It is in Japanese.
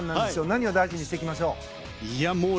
何を大事にしていきましょう。